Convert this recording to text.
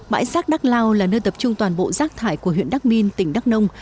bãi rác đắk lao là nơi tập trung toàn bộ rác thải của huyện đắc minh tỉnh đắc nông